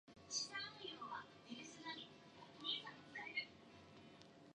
Her duty was to search for Confederate cruisers and blockade runners.